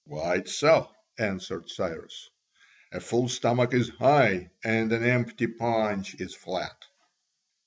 "Quite so," answered Cyrus, "a full stomach is high and an empty paunch is flat."